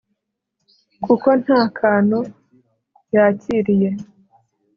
kuko nta kantu yakiriye.